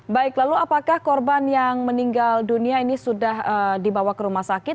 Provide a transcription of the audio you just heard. baik lalu apakah korban yang meninggal dunia ini sudah dibawa ke rumah sakit